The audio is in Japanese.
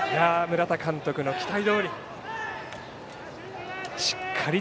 村田監督の期待どおり。